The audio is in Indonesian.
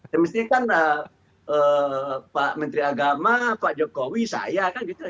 semestinya kan pak menteri agama pak jokowi saya kan gitu